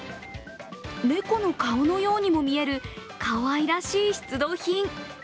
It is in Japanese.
猫の顔のようにも見えるかわいらしい出土品。